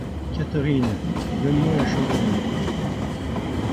Catherine, donne-moi la chandelle!